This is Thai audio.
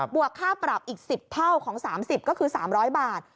วกค่าปรับอีก๑๐เท่าของ๓๐ก็คือ๓๐๐บาท